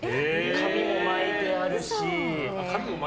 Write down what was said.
髪も巻いてあるし。